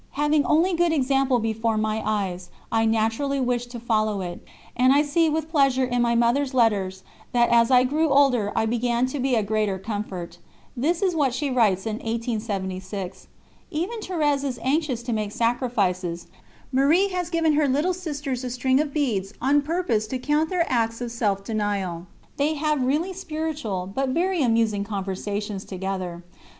Having only good example before my eyes, I naturally wished to follow it, and I see with pleasure in my Mother's letters that as I grew older I began to be a greater comfort. This is what she writes in 1876: "Even Thérèse is anxious to make sacrifices. Marie has given her little sisters a string of beads on purpose to count their acts of self denial. They have really spiritual, but very amusing, conversations together.